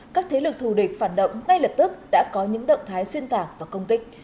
các thế lực thù địch phản động ngay lập tức đã có những động thái xuyên tạc và công kích